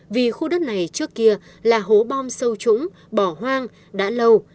vì khu đất này trước kia là hố bom sâu trũng bỏ hoang đã lâu